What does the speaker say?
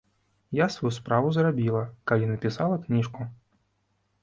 Я сваю справу зрабіла, калі напісала кніжку.